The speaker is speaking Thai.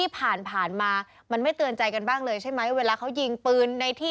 ที่ผ่านมามันไม่เตือนใจกันบ้างเลยใช่ไหมเวลาเขายิงปืนในที่